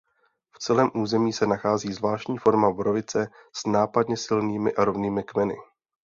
V celém území se nachází zvláštní forma borovice s nápadně silnými a rovnými kmeny.